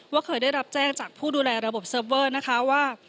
เคยได้รับแจ้งจากผู้ดูแลระบบเซิร์ฟเวอร์นะคะว่า